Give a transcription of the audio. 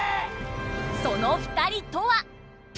その２人とは？